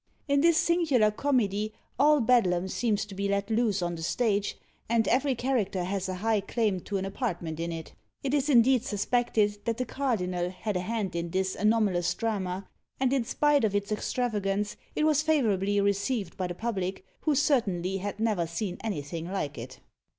In this singular comedy all Bedlam seems to be let loose on the stage, and every character has a high claim to an apartment in it. It is indeed suspected that the cardinal had a hand in this anomalous drama, and in spite of its extravagance it was favourably received by the public, who certainly had never seen anything like it.